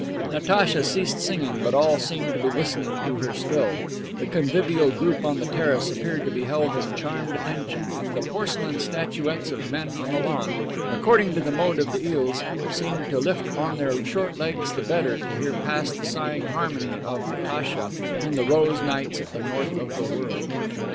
Natacha ceased singing, but all seemed to be listening to her still the convivial group on the terrace appeared to be held in charmed attention, and the porcelain statuettes of men on the lawn, according to the mode of the Iles, seemed to lift on their short legs the better to hear pass the sighing harmony of Natacha in the rose nights at the north of the world.